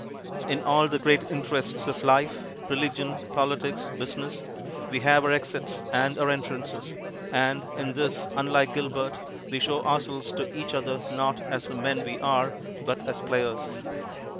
In all the great interests of life religion, politics, business we have our exits and our entrances, and, in this, unlike Gilbert, we show ourselves to each other not as the men we are, but as players.